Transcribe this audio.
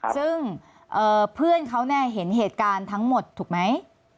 ซึ่งเพื่อนเขาเห็นเหตุการณ์ทั้งหมดถูกไหม